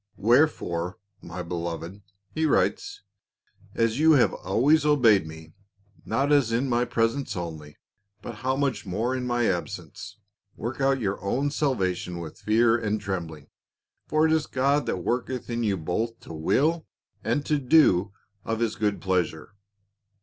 "Wherefore, my beloved," he writes, "as you have always obeyed me, not as in my presence only, but how much more in my absence, work out your own salvation with fear and trembling ; for it is God that worketh in you both to will and to do of his good pleasure.